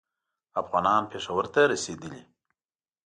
افغانان پېښور ته رسېدلي.